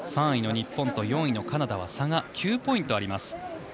３位に日本と４位のカナダは差が９ポイントあります。